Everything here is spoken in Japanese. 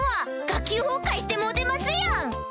学級崩壊してもうてますやん！